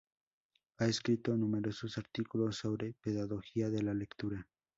Ha escrito numerosos artículos sobre pedagogía de la lectura.